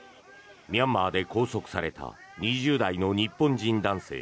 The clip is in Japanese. ミャンマーで拘束された２０代の日本人男性